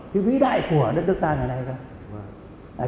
cái vĩ đại của đất nước ta ngày nay